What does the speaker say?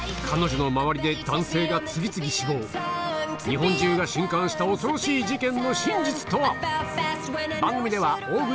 彼女の周りで男性が次々死亡日本中が震撼した恐ろしい事件の真実とは？